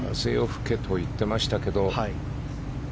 吹けと言っていましたけど。